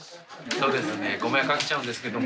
そうですね。ご迷惑かけちゃうんですけども。